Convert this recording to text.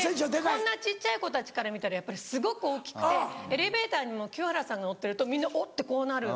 こんな小っちゃい子たちから見たらすごく大きくてエレベーターに清原さんが乗ってるとみんな「おっ」てなる。